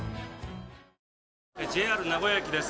ＪＲ名古屋駅です。